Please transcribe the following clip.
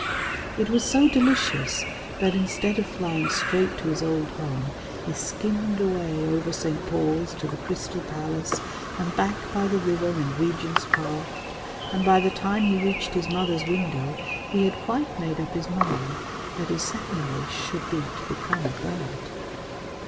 It was so delicious that instead of flying straight to his old home he skimmed away over St. Paul's to the Crystal Palace and back by the river and Regent's Park, and by the time he reached his mother's window he had quite made up his mind that his second wish should be to become a bird.